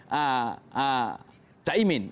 pak cak imin